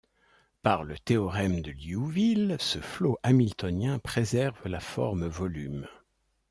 Par le théorème de Liouville, ce flot hamiltonien préserve la forme volume.